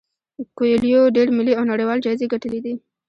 کویلیو ډیر ملي او نړیوال جایزې ګټلي دي.